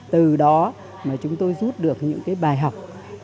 từ đó mà chúng tôi rút được những cái bài học